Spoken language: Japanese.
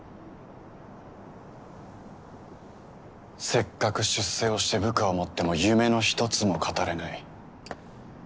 せっかく出世をして部下を持っても夢の１つも語れない。